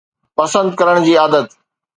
پسند ڪرڻ جي عادت